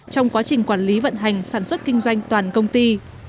trong quá trình quản lý vận hành sản xuất kinh doanh toàn công ty